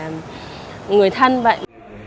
người thanh vậy